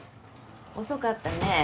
遅かったね。